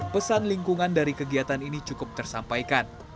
pesan lingkungan dari kegiatan ini cukup tersampaikan